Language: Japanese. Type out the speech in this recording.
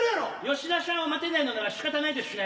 吉田しゃんを待てないのならしかたないでしゅね。